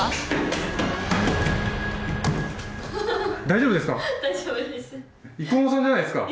大丈夫ですか？